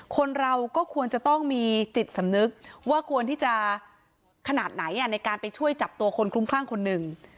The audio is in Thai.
คนเราก็ควรจะต้องมีจิตสำนึกว่าควรที่จะขนาดไหนในการไปช่วยจับตัวคนคลุ้มคลั่งคนหนึ่ง